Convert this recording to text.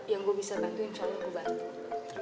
yang gue bisa bantu insya allah gue bantu